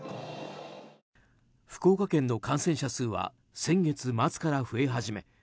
福岡県の感染者数は先月末から増え始め